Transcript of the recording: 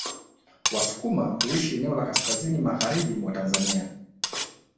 Wasukuma huishi eneo la kaskazini magharibi mwa Tanzania